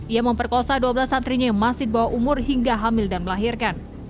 ia memperkosa dua belas santrinya yang masih di bawah umur hingga hamil dan melahirkan